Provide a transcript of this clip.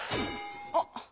あっ！